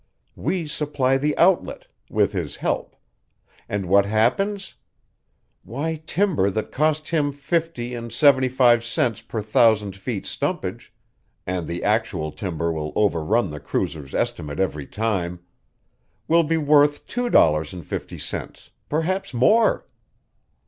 We supply the outlet with his help; and what happens? Why, timber that cost him fifty and seventy five cents per thousand feet stumpage and the actual timber will overrun the cruiser's estimate every time will be worth two dollars and fifty cents perhaps more."